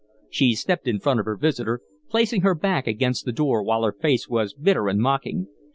She stepped in front of her visitor, placing her back against the door, while her face was bitter and mocking.